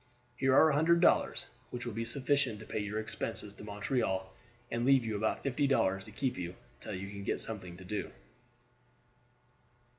Here are a hundred dollars, which will be sufficient to pay your expenses to Montreal and leave you about fifty dollars to keep you till you can get something to do."